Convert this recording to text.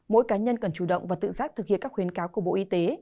mỗi cá nhân cần chủ động và tự giác thực hiện các khuyến cáo của bộ y tế